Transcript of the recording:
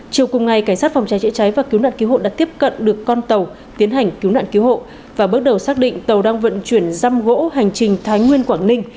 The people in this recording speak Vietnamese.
chiều cùng ngày cảnh sát phòng cháy chữa cháy và cứu nạn cứu hộ đã tiếp cận được con tàu tiến hành cứu nạn cứu hộ và bước đầu xác định tàu đang vận chuyển giam gỗ hành trình thái nguyên quảng ninh